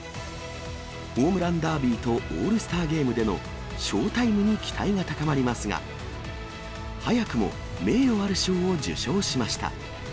ホームランダービーとオールスターゲームでのショータイムに期待が高まりますが、早くも名誉ある賞を受賞しました。